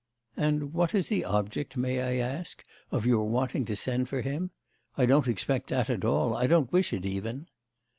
'And what is the object, may I ask, of your wanting to send for him? I don't expect that at all, I don't wish it even!